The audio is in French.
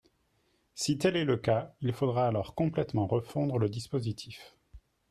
Si tel est le cas, il faudra alors complètement refondre le dispositif.